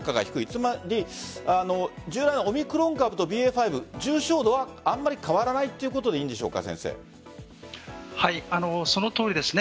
つまり従来のオミクロン株とＢＡ．５重症度はあまり変わらないということでそのとおりです。